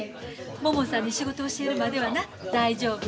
ももさんに仕事教えるまではな大丈夫や。